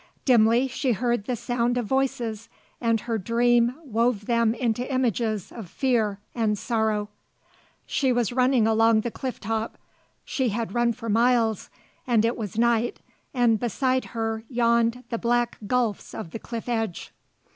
Dimly she heard the sound of voices and her dream wove them into images of fear and sorrow. She was running along the cliff top. She had run for miles and it was night and beside her yawned the black gulfs of the cliff edge.